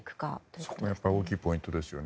そこが大きいポイントですよね。